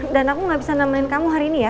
dan aku gak bisa nemenin kamu hari ini ya